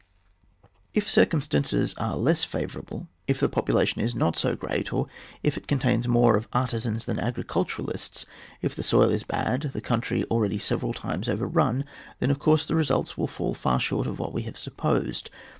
If circumstances are less favourable, if the population is not so great, or if it consists more of artisans than agri culturists, if the soil is bad, the country already several times overrun — then of course the results will fall short of what we have supposed.